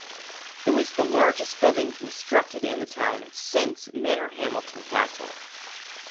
It was the largest building constructed in the town since Manorhamilton Castle.